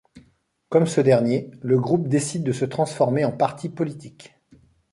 Comme ce dernier, le groupe décide de se transformer en parti politique.